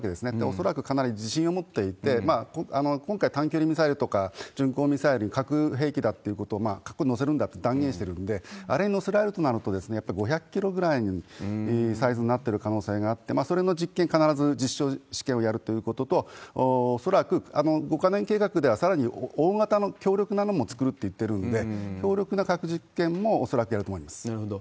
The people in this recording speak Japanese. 恐らくかなり自信を持っていて、今回、短距離ミサイルとか巡航ミサイル、核兵器だということを、核を載せるんだと断言してるんで、あれに載せられるとなると、５００キロぐらいのサイズになってる可能性があって、それの実験、必ず実証試験をやるということと、恐らく５か年計画では、さらに大型の強力なのも作るって言ってるんで、強力な核実験も恐なるほど。